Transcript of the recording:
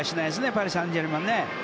パリ・サンジェルマン。